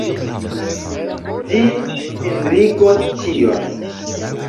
Ĝi cindrigos ĉion.